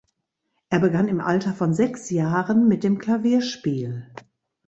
Er begann im Alter von sechs Jahren mit dem Klavierspiel.